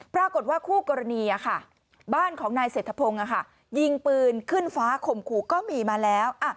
ปรากฏว่าคู่กรณีบ้านของนายเศรษฐพงศ์ยิงปืนขึ้นฟ้าข่มขู่ก็มีมาแล้ว